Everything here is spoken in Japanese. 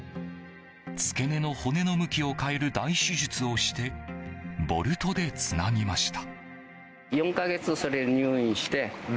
付け根の骨の向きを変える大手術をしてボルトでつなぎました。